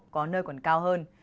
có nơi còn cao hơn